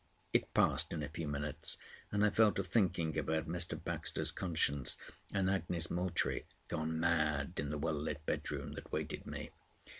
It passed in a few minutes, and I fell to thinking about Mr. Baxter's conscience and Agnes Moultrie, gone mad in the well lit bedroom that waited me.